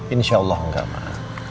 insya allah enggak mah